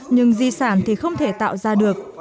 nhưng di sản thì không thể tạo ra được